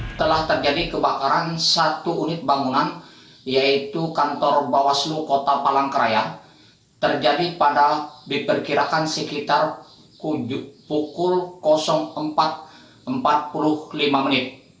setelah terjadi kebakaran satu unit bangunan yaitu kantor bawaslu kota palangkaraya terjadi pada diperkirakan sekitar pukul empat empat puluh lima menit